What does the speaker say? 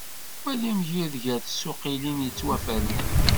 Wali amgired gar tsuqilin yettwafernen.